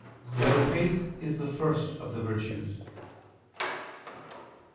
7] Whether Faith Is the First of the Virtues?